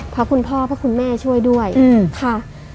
พระคุณพ่อพระคุณแม่ช่วยด้วยค่ะ